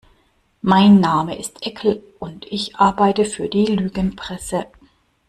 Mein Name ist Eckel und ich arbeite für die Lügenpresse.